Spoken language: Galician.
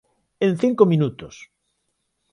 En cinco minutos.